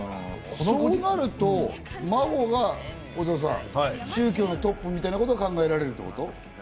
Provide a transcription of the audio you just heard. そうなると、真帆が、小澤さん、宗教のトップみたいなことが考えられるってこと？